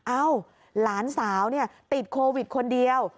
เอ้าหลานสาวติดโควิดคนเดียว